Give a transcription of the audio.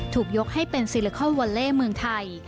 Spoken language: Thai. ถูกยกให้เป็นซิลิคอลวอลเล่เมืองไทย